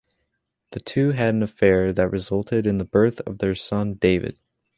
The two had an affair that resulted in the birth of their son David.